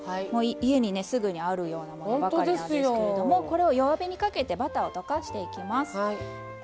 家にねすぐにあるようなものばかりなんですけれどもこれを弱火にかけてバターを溶かしていきます。